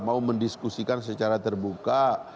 mau mendiskusikan secara terbuka